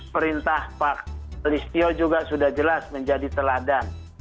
perintah pak listio juga sudah jelas menjadi teladan